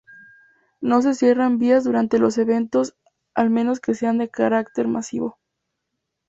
No se cierran vías durante los eventos al menos que sean de carácter masivo.